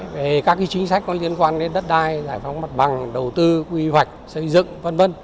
về các chính sách có liên quan đến đất đai giải phóng mặt bằng đầu tư quy hoạch xây dựng v v